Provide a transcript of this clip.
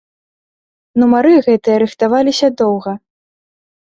Нумары гэтыя рыхтаваліся доўга.